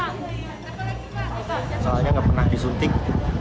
soalnya nggak pernah disuntik